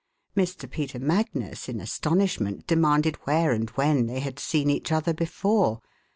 Mr. Peter Magnus, in astonishment, demanded where and when they had seen each other before.